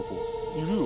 いるよ。